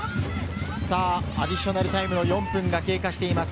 アディショナルタイムの４分が経過しています。